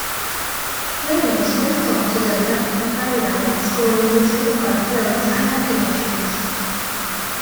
Lanois went on to develop a career in scoring music for films and documentaries.